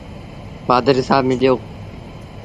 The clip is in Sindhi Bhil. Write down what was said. پڌريٚ سآب مليو۔